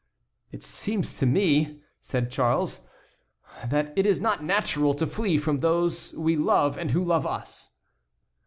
"It seems to me," said Charles, "that it is not natural to flee from those we love and who love us."